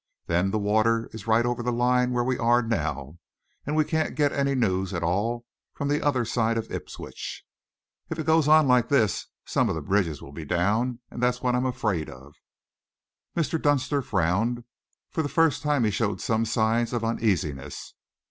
Then the water is right over the line where we are now, and we can't get any news at all from the other side of Ipswich. If it goes on like this, some of the bridges will be down; that's what I'm afraid of." Mr. Dunster frowned. For the first time he showed some signs of uneasiness.